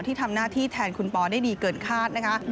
ที่ทำหน้าที่แทนคุณปอได้ดีเกินคาดนะคะ